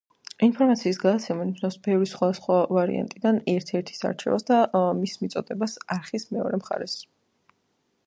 ინფორმაციის გადაცემა ნიშნავს ბევრი სხვადასხვა ვარიანტიდან ერთ-ერთის არჩევას და მის მიწოდებას არხის მეორე მხარეს.